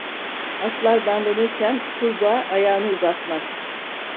Atlar nallanırken kurbağa ayağını uzatmaz.